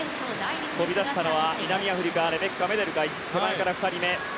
飛び出したのは南アフリカレベッカ・メデル手前から２人目。